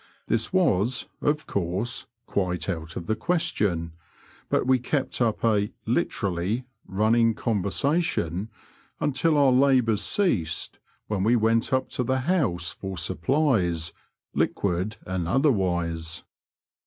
This was, of course, quite, out of the question, but we kept up a (literally) running conversation until our labours ceased, when we went up to the house for supplies, liquid and otherwise.